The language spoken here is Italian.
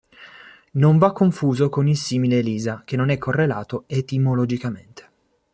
Non va confuso con il simile Elisa, che non è correlato etimologicamente.